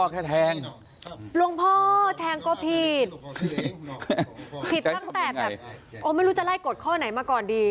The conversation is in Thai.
แค่แทงหลวงพ่อแทงก็ผิดผิดตั้งแต่แบบโอ้ไม่รู้จะไล่กฎข้อไหนมาก่อนดี